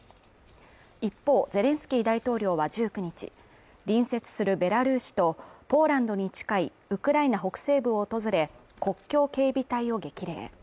一方、ゼレンスキー大統領は１９日、隣接するベラルーシとポーランドに近いウクライナ北西部を訪れ、国境警備隊を激励。